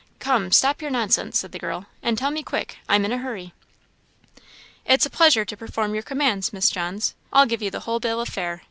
"Come, stop your nonsense," said the girl, "and tell me quick I'm in a hurry." "It's a pleasure to perform your commands, Miss Johns. I'll give you the whole bill of fare.